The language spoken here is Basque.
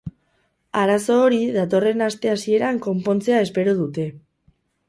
Arazo hori datorren aste hasieran konpontzea espero dute.